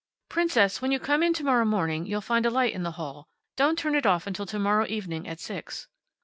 "Princess, when you come in to morrow morning you'll find a light in the hall. Don't turn it off until to morrow evening at six."